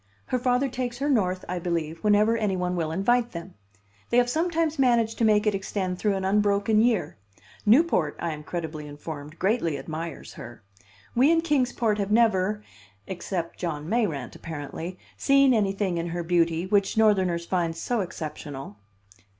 Her father takes her North, I believe, whenever any one will invite them. They have sometimes managed to make it extend through an unbroken year. Newport, I am credibly informed, greatly admires her. We in Kings Port have never (except John Mayrant, apparently) seen anything in her beauty, which Northerners find so exceptional."